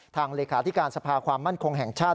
เลขาธิการสภาความมั่นคงแห่งชาติ